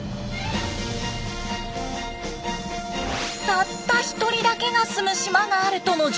たった１人だけが住む島があるとの情報が。